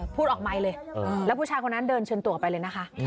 พูดออกไมค์เลยแล้วผู้ชายคนนั้นเดินเชิญตัวไปเลยนะคะ